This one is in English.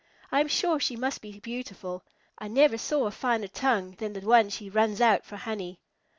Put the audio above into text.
I am sure she must be beautiful. I never saw a finer tongue than the one she runs out for honey."